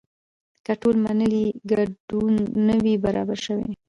که ټول منلی ګډون نه وي برابر شوی.